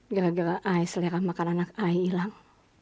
gara gara ayah selera makan anak ayah hilang